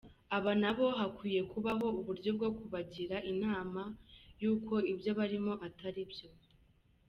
Aba nabo hakwiye kubaho uburyo bwo kubagira inama yuko ibyo barimo atari byo !